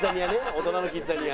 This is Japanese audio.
大人のキッザニア。